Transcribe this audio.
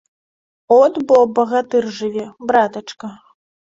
От бо багатыр жыве, братачка!